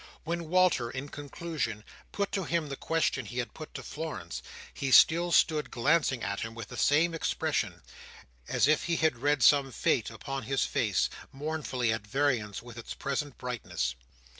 When Walter, in conclusion, put to him the question he had put to Florence, he still stood glancing at him with the same expression, as if he had read some fate upon his face, mournfully at variance with its present brightness.